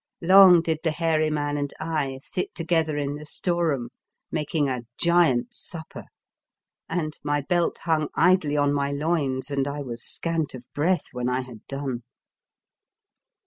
Long did the hairy man and I sit together in the store room making a giant's supper, and my belt hung idly on my loins and I was scant of breath when I had done.